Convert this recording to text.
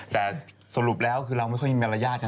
แต่สรุปแล้วคือเราไม่ค่อยมีอารยาตกันเลย